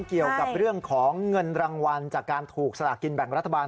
เกี่ยวกับเรื่องของเงินรางวัลจากการถูกสลากกินแบ่งรัฐบาล